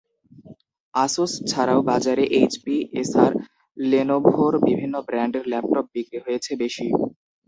Asus ছাড়াও বাজারে HP, Acer, লেনোভোর বিভিন্ন ব্র্যান্ডের ল্যাপটপ বিক্রি হয়েছে বেশি।